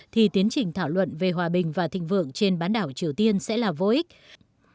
thì tiến trình thảo luận về hòa bình và thịnh vượng trên bán đảo triều tiên sẽ là vô ích